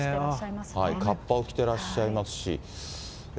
かっぱを着てらっしゃいますし。